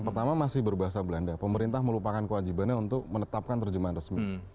pertama masih berbahasa belanda pemerintah melupakan kewajibannya untuk menetapkan terjemahan resmi